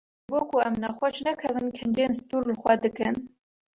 Ji bo ku em nexweş nekevin, kincên stûr li xwe dikin.